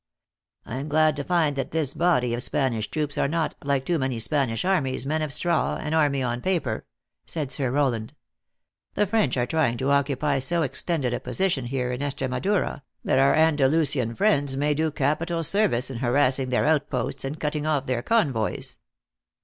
"I am glad to find that this body of Spanish troops are not, like too many Spanish armies, men of straw, an army on paper," said Sir Rowland. " The French are trying to occupy so extended a position here in Estremadura, that our Andalusian friends may do capital service in harassing their out posts, and cut ting off their convoys."